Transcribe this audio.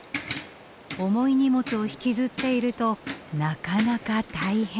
重い荷物を引きずっているとなかなか大変。